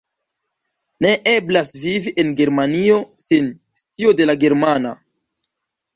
Ne eblas vivi en Germanio sen scio de la germana!